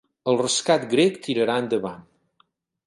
El rescat grec tirarà endavant